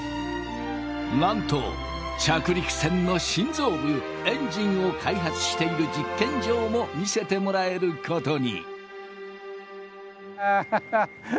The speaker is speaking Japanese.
なんと着陸船の心臓部エンジンを開発している実験場も見せてもらえることに。